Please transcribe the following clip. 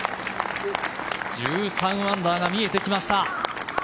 １３アンダーが見えてきました。